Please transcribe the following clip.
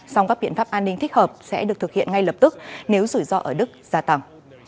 song các biện pháp an ninh thích hợp sẽ được thực hiện ngay lập tức nếu rủi ro ở đức gia tầm